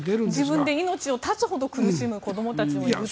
自分で命を絶つほど苦しむ子どもたちがいるという。